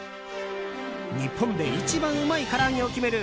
日本で一番うまいから揚げを決める